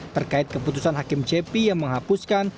terkait keputusan hakim cepi yang menghapuskan